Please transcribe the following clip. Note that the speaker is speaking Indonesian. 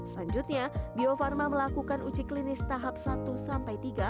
selanjutnya bio farma melakukan uji klinis tahap satu sampai tiga